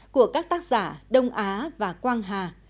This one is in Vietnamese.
của các tác giả đông á và quang hà